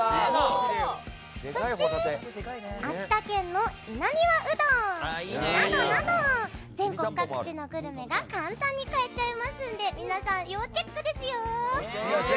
そして、秋田県の稲庭うどんなどなど全国各地のグルメが簡単に買えちゃいますので皆さん、要チェックですよ！